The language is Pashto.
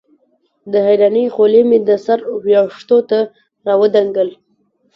د حېرانۍ خولې مې د سر وېښتو نه راودنګل